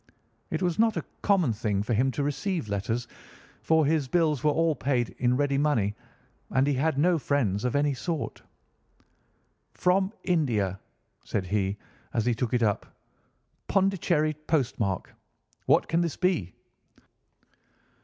It was not a common thing for him to receive letters, for his bills were all paid in ready money, and he had no friends of any sort. 'From India!' said he as he took it up, 'Pondicherry postmark! What can this be?